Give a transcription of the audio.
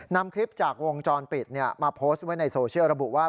นำคลิปจากวงจรปิดมาโพสต์ไว้ในโซเชียลระบุว่า